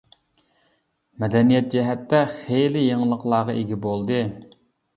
مەدەنىيەت جەھەتتە خېلى يېڭىلىقلارغا ئىگە بولدى.